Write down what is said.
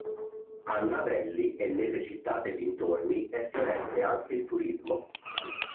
A Navelli e nelle città dei dintorni è fiorente anche il turismo.